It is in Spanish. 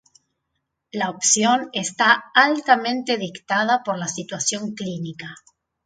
La opción está altamente dictada por la situación clínica.